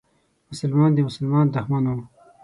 مسلمان د مسلمان دښمن و.